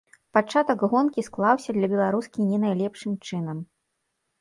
Пачатак гонкі склаўся для беларускі не найлепшым чынам.